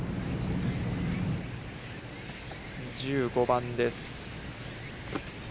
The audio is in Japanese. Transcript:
１５番です。